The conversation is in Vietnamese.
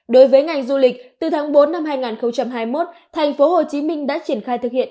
đối với ngành du lịch từ tháng bốn năm hai nghìn hai mươi một thành phố hồ chí minh đã triển khai thực hiện